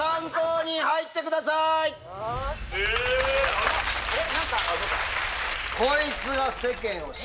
あら⁉えっ⁉